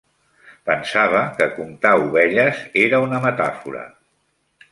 Pensava que "comptar ovelles" era una metàfora.